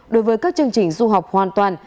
đối với các chương trình du học hoàn toàn